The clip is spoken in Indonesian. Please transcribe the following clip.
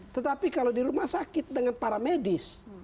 tetapi kalau di rumah sakit dengan para medis